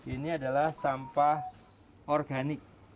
ini adalah sampah organik